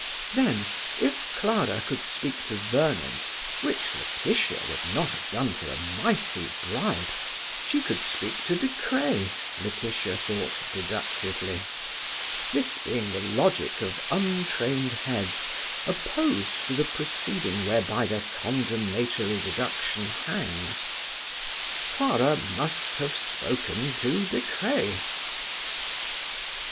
Then, if Clara could speak to Vernon, which Laetitia would not have done for a mighty bribe, she could speak to De Craye, Laetitia thought deductively: this being the logic of untrained heads opposed to the proceeding whereby their condemnatory deduction hangs. Clara must have spoken to De Craye!